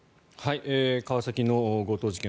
川崎の強盗事件